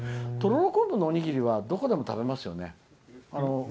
とろろ昆布のおにぎりはどこでも食べますよね。